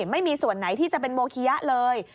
ไม่มีส่วนไหนที่จะเป็นโมคิยะเลย